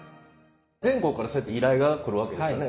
全国からそうやって依頼が来るわけですよね。